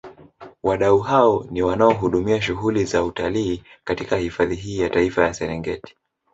Wadau hao ni wanaohudumia shughuli za utalii katika hifadhi hii ya Taifa ya Serengeti